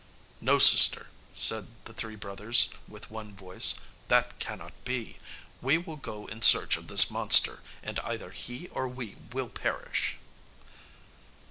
"No, sister," said the three brothers, with one voice, "that cannot be; we will go in search of this monster, and either he or we will perish."